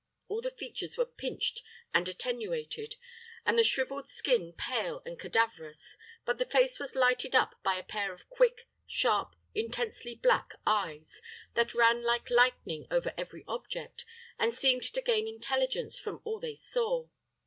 All the features were pinched and attenuated, and the shriveled skin pale and cadaverous; but the face was lighted up by a pair of quick, sharp, intensely black eyes, that ran like lightning over every object, and seemed to gain intelligence from all they saw.